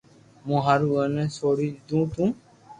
مون ھارو اي نو سوڙي دو تو